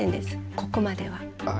ここまでは。